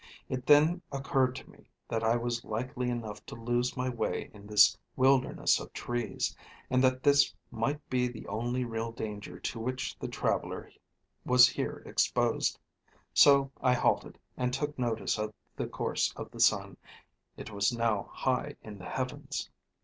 It then occurred to me that I was likely enough to lose my way in this wilderness of trees, and that this might be the only real danger to which the traveller was here exposed. So I halted, and took notice of the course of the sun; it was now high in the heavens.